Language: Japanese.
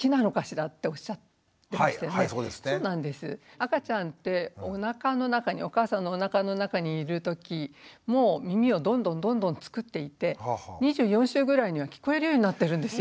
赤ちゃんっておなかの中にお母さんのおなかの中にいるときもう耳をどんどんどんどんつくっていて２４週ぐらいには聞こえるようになってるんですよ。